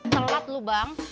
telat lu bang